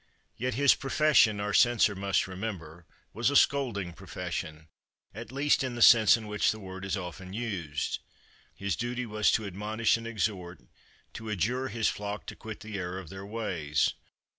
Yet his profession, our censor must remember, was a scolding profession at least in the sense in which the word is often used. His duty was to admonish and exhort, to adjure his flock to quit the error of their ways.